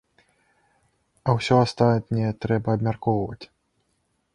А ўсё астатняе трэба абмяркоўваць.